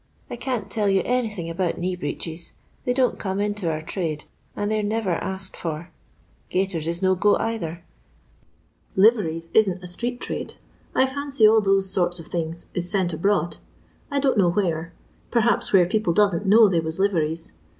" I can't tell you anything about knee breeches ; they don't come into my trade, and they 're never asked for* Qaiten ia no go either. Liveriee isn't 42 LONDON LABOUR AND THE LONDON POOR. I a street trade. I fancy all thote lort of thingi if lent abroad. I don't know where. Perhaps where people doesn't know they was liveries.